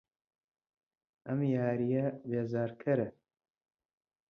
ئەم یارییە بێزارکەرە.